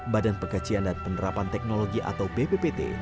badan pengecian dan penerapan teknologi atau pppt